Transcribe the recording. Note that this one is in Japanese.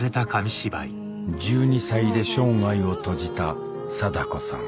１２歳で生涯を閉じた禎子さん